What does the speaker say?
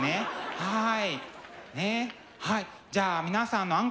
はい。